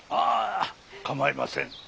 あ構いません。